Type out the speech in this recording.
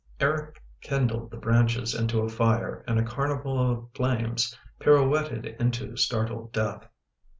Eric kindled the branches into a fire, and a carnival of flames pirouetted into startled death.